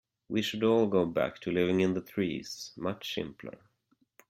We should all go back to living in the trees, much simpler.